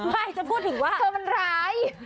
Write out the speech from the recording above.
ไม่จะพูดถึงว่าเธอมันร้าย